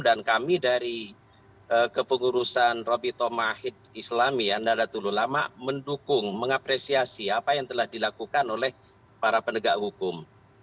dan kami dari kepengurusan roby tomahid islami anda datang dulu lama mendukung mengapresiasi apa yang telah dilakukan oleh para penegak hukum